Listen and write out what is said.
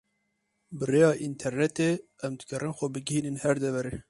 Bi rêya internetê em dikarin xwe bigihînin her deverê.